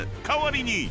代わりに］